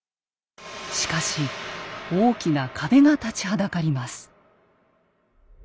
しかし大きな壁が立ちはだかります。